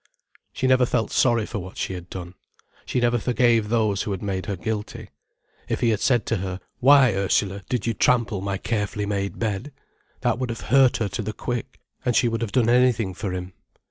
She never felt sorry for what she had done, she never forgave those who had made her guilty. If he had said to her, "Why, Ursula, did you trample my carefully made bed?" that would have hurt her to the quick, and she would have done anything for him.